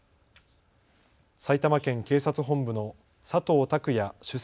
埼玉県警察本部の佐藤拓也首席